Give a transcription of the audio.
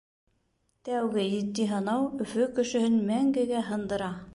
Тәүге етди һынау Өфө кешеһен мәңгегә һындыра.